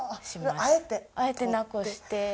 あえてなくして。